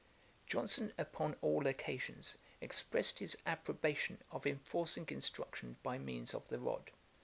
Johnson, upon all occasions, expressed his approbation of enforcing instruction by means of the rod.